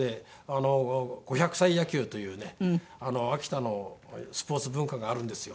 ５００歳野球というね秋田のスポーツ文化があるんですよ。